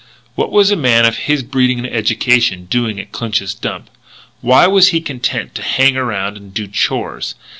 What was a man of his breeding and education doing at Clinch's dump? Why was he content to hang around and do chores?